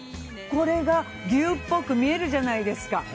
これがギュウっぽく見えるじゃないですか。